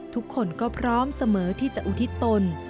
ทุกคนก็พร้อมเสมอที่จะอุทิศตน